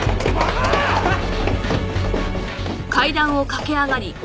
あっ！